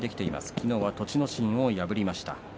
昨日は栃ノ心を破りました。